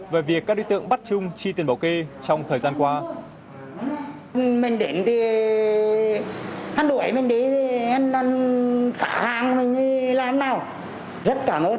về việc các đối tượng bắt chung chi tiền bảo kê trong thời gian qua